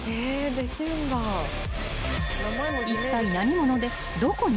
［いったい］